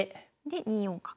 で２四角。